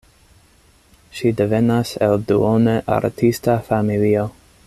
Ŝi devenas el duone artista familio.